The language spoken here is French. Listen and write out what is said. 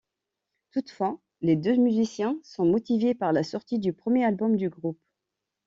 Toutefois, les deux musiciens sont motivés par la sortie du premier album du groupe.